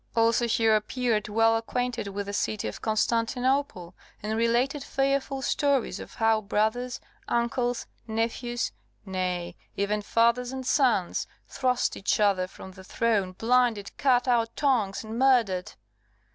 Also he appeared well acquainted with the city of Constantinople, and related fearful stories of how brothers, uncles, nephews, nay, even fathers and sons, thrust each other from the throne, blinded, cut out tongues, and murdered.